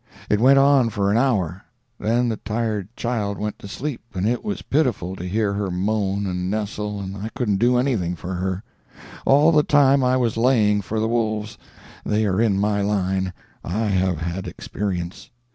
It went on for an hour, then the tired child went to sleep, and it was pitiful to hear her moan and nestle, and I couldn't do anything for her. All the time I was laying for the wolves. They are in my line; I have had experience.